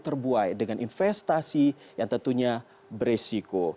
terbuai dengan investasi yang tentunya beresiko